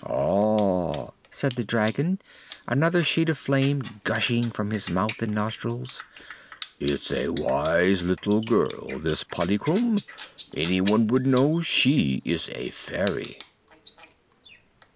"Ah!" said the dragon, another sheet of flame gushing from his mouth and nostrils; "it's a wise little girl, this Polychrome. Anyone would know she is a fairy."